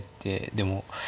でも。